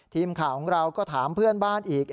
ทีมข่าวของเราก็ถามเพื่อนบ้านอีก